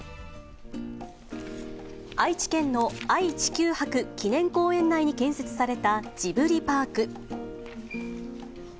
愛知県の愛・地球博記念公園内に建設されたジブリパーク。